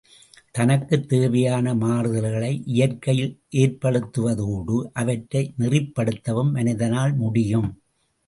தனக்குத் தேவையான மாறுதல்களை இயற்கையில் ஏற்படுத்துவதோடு அவற்றை நெறிப்படுத்தவும் மனிதனால் முடியும்.